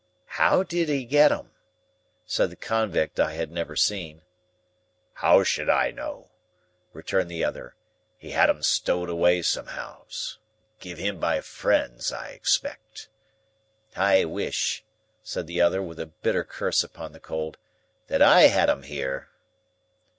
"How did he get 'em?" said the convict I had never seen. "How should I know?" returned the other. "He had 'em stowed away somehows. Giv him by friends, I expect." "I wish," said the other, with a bitter curse upon the cold, "that I had 'em here."